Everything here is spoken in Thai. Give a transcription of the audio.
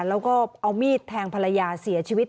แล้วก็เอามีดแทงภรรยาเสียชีวิต